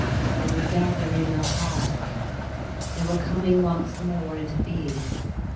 They were gathering a heart again, they were coming once more into being.